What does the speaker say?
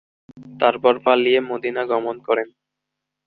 তারপর পালিয়ে মদীনা গমন করেন।